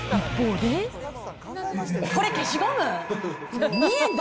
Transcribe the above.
これ消しゴム？